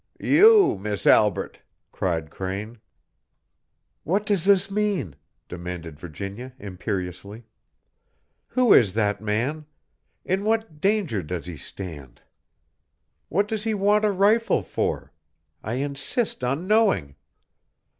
"You, Miss Albret!" cried Crane. "What does this mean?" demanded Virginia, imperiously. "Who is that man? In what danger does he stand? What does he want a rifle for? I insist on knowing."